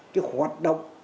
cái hoạt động